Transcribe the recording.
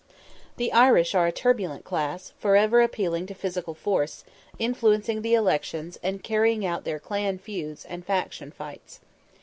The Irish are a turbulent class, for ever appealing to physical force, influencing the elections, and carrying out their "clan feuds" and "faction fights."